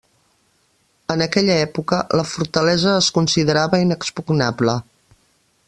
En aquella època, la fortalesa es considerava inexpugnable.